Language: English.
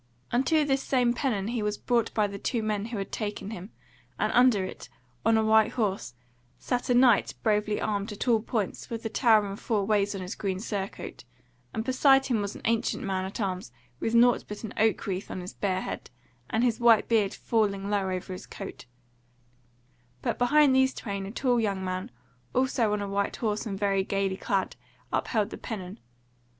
Unto this same pennon he was brought by the two men who had taken him, and under it, on a white horse, sat a Knight bravely armed at all points with the Tower and Four Ways on his green surcoat; and beside him was an ancient man at arms, with nought but an oak wreath on his bare head, and his white beard falling low over his coat: but behind these twain a tall young man, also on a white horse and very gaily clad, upheld the pennon.